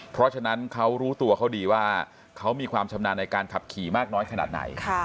เพราะฉะนั้นเขารู้ตัวเขาดีว่าเขามีความชำนาญในการขับขี่มากน้อยขนาดไหน